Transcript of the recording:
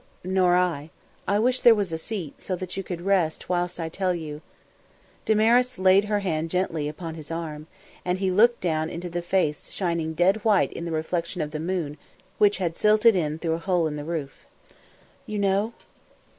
Nor I. I wish there was a seat, so that you could rest whilst I tell you " Damaris laid her hand gently upon his arm, and he looked down into the face shining dead white in the reflection of the moon which had silted in through a hole in the roof. "You know?"